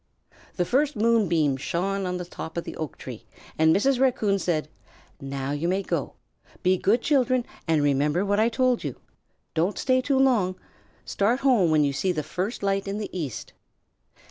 The first moonbeam shone on the top of the oak tree, and Mrs. Raccoon said: "Now you may go. Be good children and remember what I told you. Don't stay too long. Start home when you see the first light in the east."